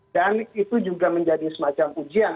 dan itu juga menjadi semacam ujian